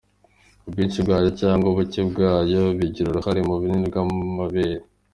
Ubwinshi bwayo cyangwa ubuke bwayo bigira uruhare mu bunini bw’amabere.